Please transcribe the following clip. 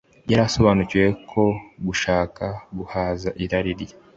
Yari asobanukiwe ko gushaka guhaza irari